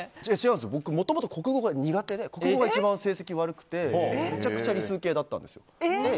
僕もともと国語が苦手で国語が成績が悪くて、めちゃくちゃ理数系だったんですよ。